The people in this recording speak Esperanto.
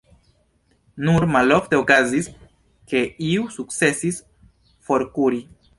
Nur malofte okazis, ke iu sukcesis forkuri.